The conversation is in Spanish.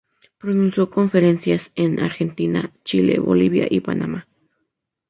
Pronunció conferencias en: Argentina, Chile, Bolivia y Panamá.